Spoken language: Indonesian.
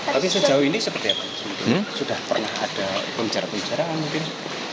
tapi sejauh ini seperti apa sudah pernah ada pembicara pembicaraan mungkin